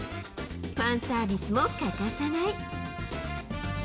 ファンサービスも欠かさない。